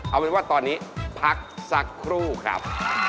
เอาเป็นว่าตอนนี้พักสักครู่ครับ